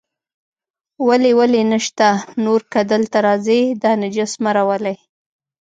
ولې ولې نشته، نور که دلته راځئ، دا نجس مه راولئ.